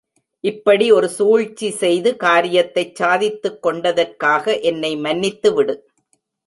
இப்படி ஒரு சூழ்ச்சி செய்து காரியத்தைச் சாதித்துக்கொண்டதற்காக என்னை மன்னித்துவிடு.